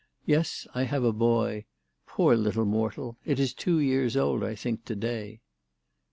Yes, I have a boy. Poor little mortal ! It is two years old I think to day."